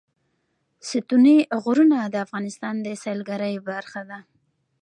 ستوني غرونه د افغانستان د سیلګرۍ برخه ده.